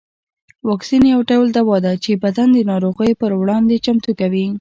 واکسین یو ډول دوا ده چې بدن د ناروغیو پر وړاندې چمتو کوي